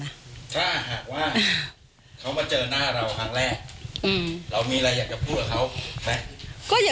ถ้าหากว่าเขามาเจอหน้าเราครั้งแรกเรามีอะไรอยากจะพูดกับเขาไหม